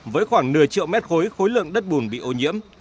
với khoảng nửa triệu mét khối khối lượng đất bùn bị ô nhiễm